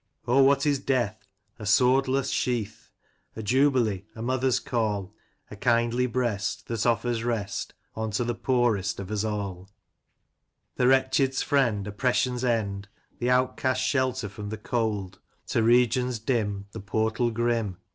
Oh, what is death ? A swordless sheath ; A jubilee ; a mother's call ; A kindly breast, That offers rest Unto the poorest of us all ; The wretched's friend ; Oppression's end ; The outcast's shelter from the cold ; To regions dim, The portal grim